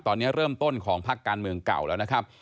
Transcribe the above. ตอนนี้เริ่มต้นของพักการเมืองเก่าแล้วนะครับ